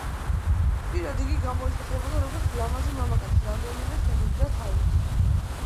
ხშირად იგი გამოისახებოდა როგორც ლამაზი მამაკაცი რამდენიმე ხელით და თავით.